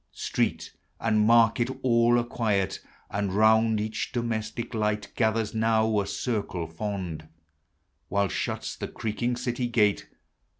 Street and market all are <|iii<'t, And round each domestic light Gathers now a circle fond, While shuts the creaking city gate.